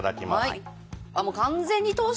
はい。